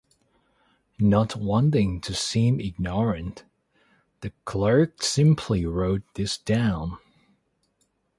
Not wanting to seem ignorant, the clerk simply wrote this down.